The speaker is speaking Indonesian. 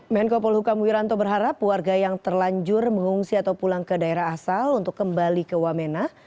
menko polhukam wiranto berharap warga yang terlanjur mengungsi atau pulang ke daerah asal untuk kembali ke wamena